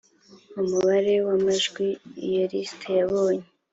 umubare w amajwi iyo lisiti yabonye